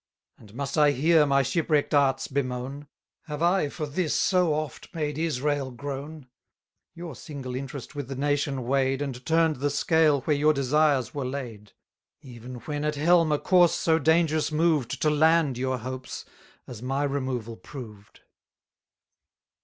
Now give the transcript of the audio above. And must I here my shipwreck'd arts bemoan? Have I for this so oft made Israel groan? Your single interest with the nation weigh'd, 200 And turn'd the scale where your desires were laid; Even when at helm a course so dangerous moved To land your hopes, as my removal proved.